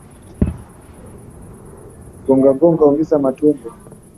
Jacob alimdanganya kuwa alitaka kwenda kumfumania mwanamke wake katiko hilo eneo